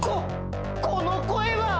ここの声は！